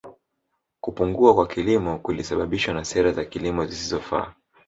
Kupungua kwa kilimo kulisababishwa na sera za kilimo zisizofaa